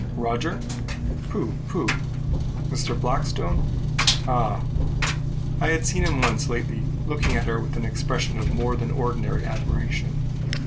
Roger? Pooh! pooh! Mr. Blackstone? Ah! I had seen him once lately looking at her with an expression of more than ordinary admiration.